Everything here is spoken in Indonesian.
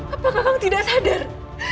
apakah kamu tidak sadar